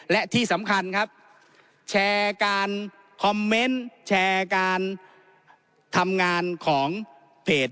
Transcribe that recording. และที่สำคัญครับแชร์การคอมเมนต์แชร์การทำงานของเพจ